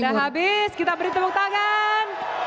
masuk anda habis kita beri tepuk tangan